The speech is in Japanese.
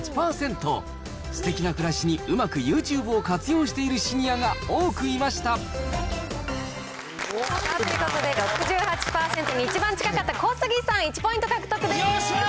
すてきな暮らしにうまくユーチューブを活用しているシニアが多くということで、６８％に一番近かった小杉さん、１ポイント獲得です。